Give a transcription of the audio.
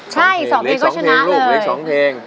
ใช่อีกสองเพลงก็ชนะเลย